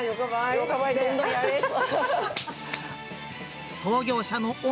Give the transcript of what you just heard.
よかばい、どんどんやれと。